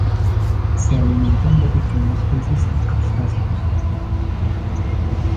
Se alimentan de pequeños peces y crustáceos.